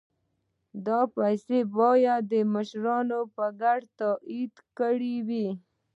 دا پیسې باید مشرانو په ګډه تادیه کړي وای.